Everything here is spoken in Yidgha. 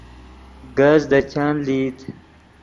کز دے چند لئیت